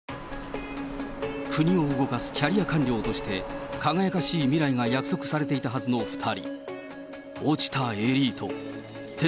国を動かすキャリア官僚として、輝かしい未来が約束されていたはずの２人。